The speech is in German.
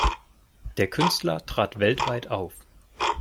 Der Künstler trat weltweit auf.